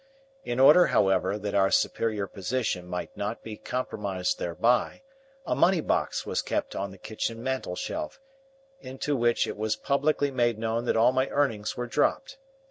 In order, however, that our superior position might not be compromised thereby, a money box was kept on the kitchen mantel shelf, into which it was publicly made known that all my earnings were dropped.